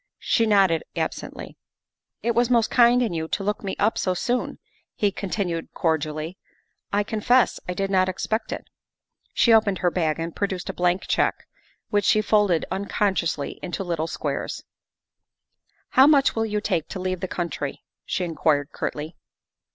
She nodded absently. " It was most kind in you to look me up so soon," he continued cordially; " I confess, I did not expect it." She opened her bag and produced a blank check, which she folded unconsciously into little squares. THE SECRETARY OF STATE 161 '' How much will you take to leave the country ?'' she inquired curtly.